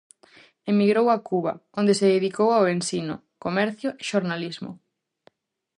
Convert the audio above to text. Emigrou a Cuba, onde se dedicou ao ensino, comercio e xornalismo.